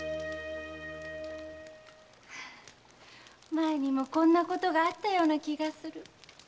前にもこんなことがあったような気がする。